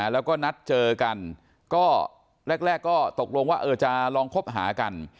แล้วก็นัดเจอกันก็แรกก็ตกลงว่าจะลองคบหากัน